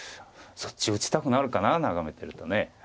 そっち打ちたくなるかな眺めてると。